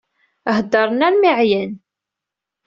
Heddren armi εyan.